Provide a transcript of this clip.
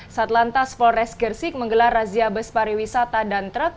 satlantas polres gersik menggelar razia bus pariwisata dan truk